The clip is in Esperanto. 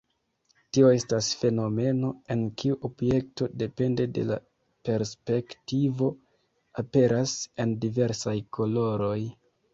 Tio estas fenomeno, en kiu objekto, depende de la perspektivo, aperas en diversaj koloroj.